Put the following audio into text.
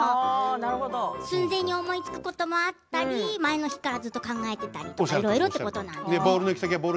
寸前に思いつくこともあったり前の日からずっと考えたりいろいろと。